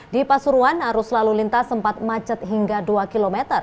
di pasuruan arus lalu lintas sempat macet hingga dua km